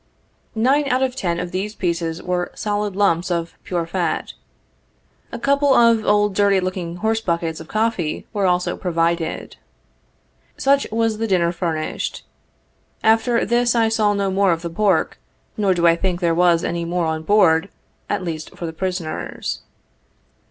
Nine out of ten of these pieces were solid lumps of pure fat. A couple of old dirty looking horse buckets of coffee were also provided. Such was the dinner furnished us. After this I saw no more of the pork, nor do I think there was any more on board, at least for the prisoners.